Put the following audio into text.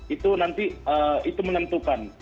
itu nanti itu menentukan